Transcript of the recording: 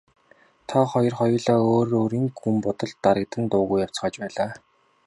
Тэр хоёр хоёулаа өөр өөрийн гүн бодолд дарагдан дуугүй явцгааж байлаа.